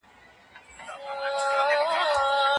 ولسي جرګه څه شی ده؟